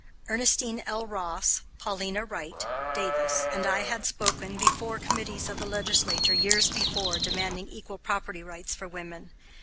Ernestine L. Rose, Paulina Wright (Davis), and I had spoken before committees of the legislature years before, demanding equal property rights for women.